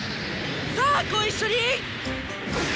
さあっご一緒に！